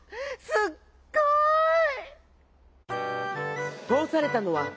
「すっごい！